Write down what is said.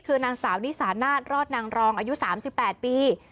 คือนางสาวนิสานาศรอดนางรองอายุ๓๘ปี